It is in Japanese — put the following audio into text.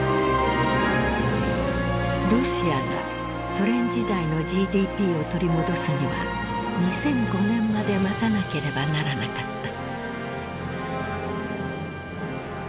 ロシアがソ連時代のＧＤＰを取り戻すには２００５年まで待たなければならなかった。